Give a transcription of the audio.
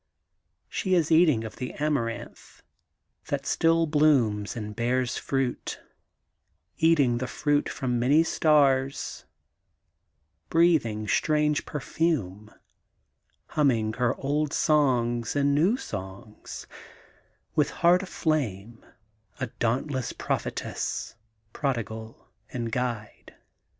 '* She is eat ing of the Amaranth that still blooms and bears fruit, eating the fruit from many stars, breathing strange perfume, humming her old songs and new songs, with heart aflame, a dauntless prophetess, prodigal and guide.